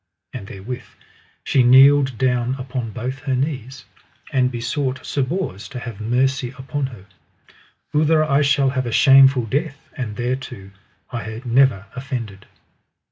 And therewith she kneeled down upon both her knees, and besought Sir Bors to have mercy upon her: Outher I shall have a shameful death, and thereto I never offended.